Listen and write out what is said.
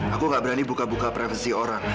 aku nggak berani buka buka privacy orang